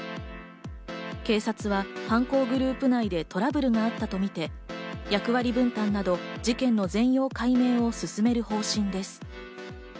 警察は犯行グループ内でトラブルがあったとみて、役割分担など事件の全容解明を進める方針です。